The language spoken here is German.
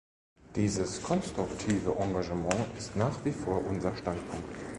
Dieses konstruktive Engagement ist nach wie vor unser Standpunkt.